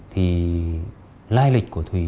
thì lai lịch của thùy